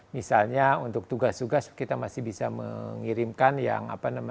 misalnya untuk tugas tugas kita masih bisa mengirimkan yang tertulis oleh mahasiswa